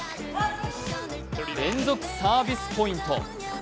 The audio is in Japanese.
連続サービスポイント。